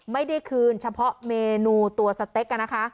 ไม่ได้คืนเฉพาะเมนูตัวสเต็กนะคะ